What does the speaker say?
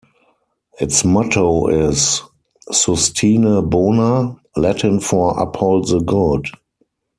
Its motto is "Sustine Bona", Latin for "Uphold the Good".